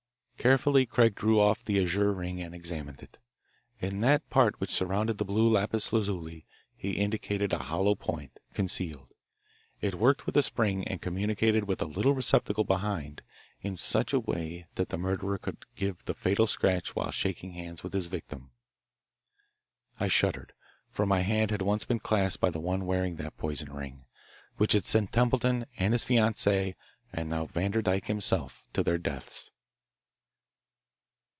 Carefully Craig drew off the azure ring and examined it. In that part which surrounded the blue lapis lazuli, he indicated a hollow point, concealed. It worked with a spring and communicated with a little receptacle behind, in such a way that the murderer could give the fatal scratch while shaking hands with his victim. I shuddered, for my hand had once been clasped by the one wearing that poison ring, which had sent Templeton, and his fiancee and now Vanderdyke himself, to their deaths.